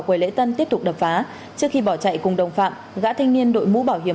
quầy lễ tân tiếp tục đập phá trước khi bỏ chạy cùng đồng phạm gã thanh niên đội mũ bảo hiểm